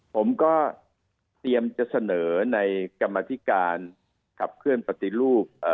ผมก็เตรียมจะเสนอในกรรมธิการขับเคลื่อนปฏิรูป